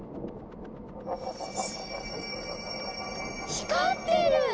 光ってる！